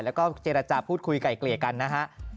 แล้วก็เจรจาพูดคุยไก่เกลี่ยกันนะฮะ